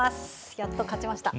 やっと勝ちました。